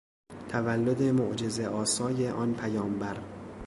تولد معجزهآسای آن پیامبر